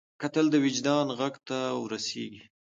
کتل د وجدان غږ ته ور رسېږي